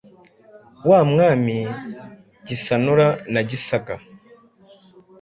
Wa Mwami Gisanura na Gisaga